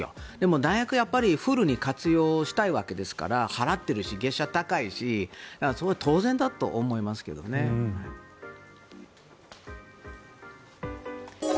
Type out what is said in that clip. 大学、やっぱりフルに活用したいわけですから払っているし月謝が高いですし当然だと思いますけどね。